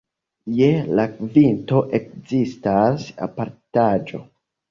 Je la kvinto ekzistas apartaĵo.